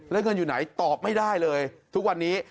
แล้วเงินอยู่ไหนตอบไม่ได้เลยทุกวันนี้